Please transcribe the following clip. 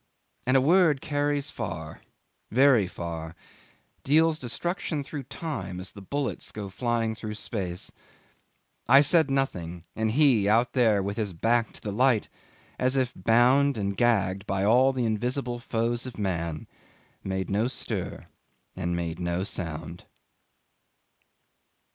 And a word carries far very far deals destruction through time as the bullets go flying through space. I said nothing; and he, out there with his back to the light, as if bound and gagged by all the invisible foes of man, made no stir and made no sound.